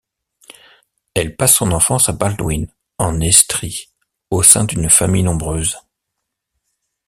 Elle passe son enfance à Baldwin, en Estrie, au sein d'une famille nombreuse.